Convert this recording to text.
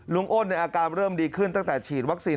อ้นในอาการเริ่มดีขึ้นตั้งแต่ฉีดวัคซีน